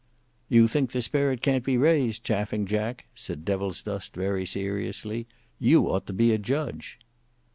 "You think the spirit can't be raised, Chaffing Jack," said Devilsdust very seriously. "You ought to be a judge."